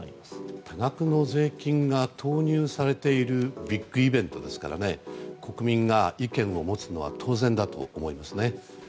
多額の税金が投入されているビッグイベントですから国民が意見を持つのは当然だと思います。